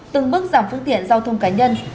từng bước giảm phương tiện giao thông cá nhân